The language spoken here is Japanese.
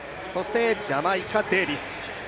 ジャマイカ、デービス。